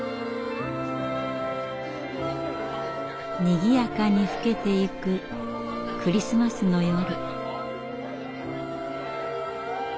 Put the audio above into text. にぎやかに更けていくクリスマスの夜。